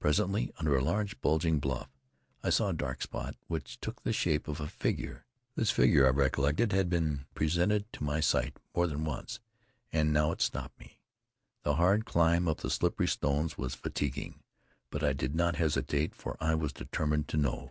Presently, under a large, bulging bluff, I saw a dark spot, which took the shape of a figure. This figure, I recollected, had been presented to my sight more than once, and now it stopped me. The hard climb up the slippery stones was fatiguing, but I did not hesitate, for I was determined to know.